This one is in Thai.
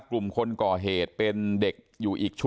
กลุ่มคนก่อเหตุเป็นเด็กอยู่อีกชุด